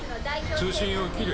通信を切れ。